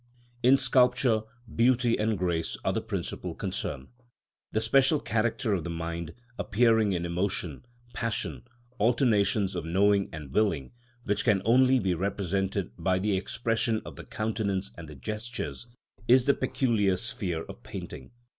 In sculpture, beauty and grace are the principal concern. The special character of the mind, appearing in emotion, passion, alternations of knowing and willing, which can only be represented by the expression of the countenance and the gestures, is the peculiar sphere of painting.